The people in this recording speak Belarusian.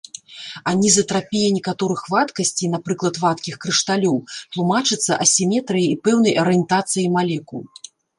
Анізатрапія некаторых вадкасцей, напрыклад, вадкіх крышталёў, тлумачыцца асіметрыяй і пэўнай арыентацыяй малекул.